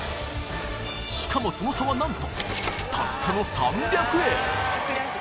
しかもその差はなんとたったの３００円